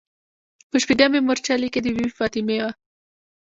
په شپږمې مورچلې کې د بي بي فاطمې و.